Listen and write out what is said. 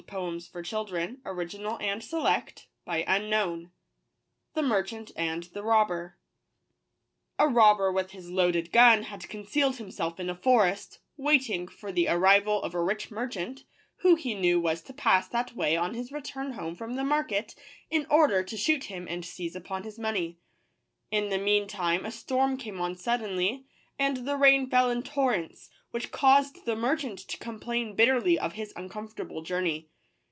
®&e JMroftant mb tit Mobber* ROBBER with his loaded gun had concealed himself in a forest, waiting for the arrival of a rich merchant, w h 0 he knew was to pass that way on his return home from the market, in order to shoot him and seize upon his money. In the mean time a storm came on suddenly, and the rain fell in torrents, which caused the merchant to complain bitterly of his uncomfortable journey.